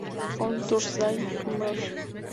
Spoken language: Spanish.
On Thursday Mr.